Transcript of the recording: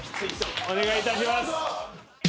お願いいたします。